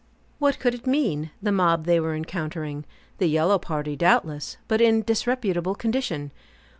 What could it mean, the mob they were encountering? The yellow party, doubtless, but in a disreputable condition.